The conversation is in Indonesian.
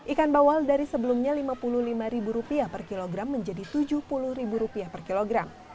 ikan bawal dari sebelumnya rp lima puluh lima per kilogram menjadi rp tujuh puluh per kilogram